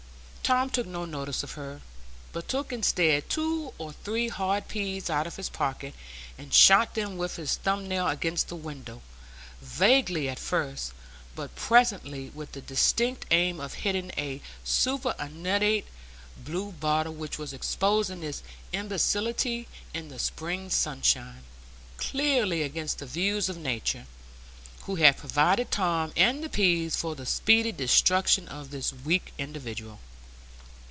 Tom took no notice of her, but took, instead, two or three hard peas out of his pocket, and shot them with his thumbnail against the window, vaguely at first, but presently with the distinct aim of hitting a superannuated blue bottle which was exposing its imbecility in the spring sunshine, clearly against the views of Nature, who had provided Tom and the peas for the speedy destruction of this weak individual.